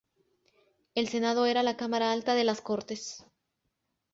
El Senado era la cámara alta de las Cortes.